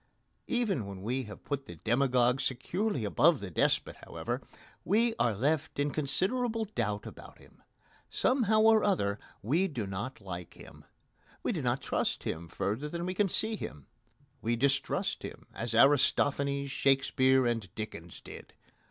Even when we have put the demagogue securely above the despot, however, we are left in considerable doubt about him. Somehow or other we do not like him. We do not trust him further than we can see him. We distrust him as Aristophanes, Shakespeare, and Dickens did.